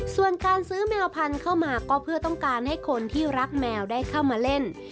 ส่วนการซื้อแมวพันธุ์เข้ามาก็เพื่อต้องการให้คนที่รักแมวได้เข้ามาเล่น